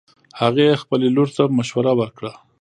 هغې خبلې لور ته مشوره ورکړه